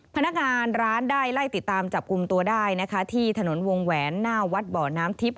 พนักงานร้านได้ไล่ติดตามจับกลุ่มตัวได้นะคะที่ถนนวงแหวนหน้าวัดบ่อน้ำทิพย